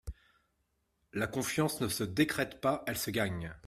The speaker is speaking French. La confiance ne se décrète pas, elle se gagne.